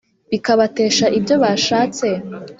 Bikabatesha ibyo bashatse?